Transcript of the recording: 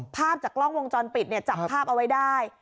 ภาพจากกล้องวงจรปิดเนี่ยจับภาพเอาไว้ได้